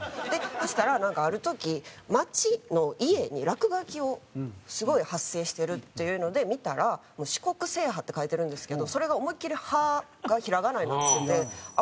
そしたらなんかある時町の家に落書きをすごい発生してるっていうので見たら「しこくせいは」って書いてるんですけどそれが思いっきり「覇」がひらがなになっててあっ